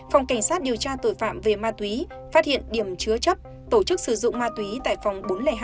phòng cảnh sát điều tra tội phạm về ma túy phát hiện điểm chứa chấp tổ chức sử dụng ma túy tại phòng bốn trăm linh hai